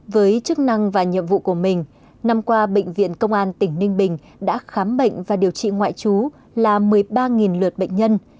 với chức năng và nhiệm vụ của mình năm qua bệnh viện công an tỉnh ninh bình đã khám bệnh và điều trị ngoại trú là một mươi ba lượt bệnh nhân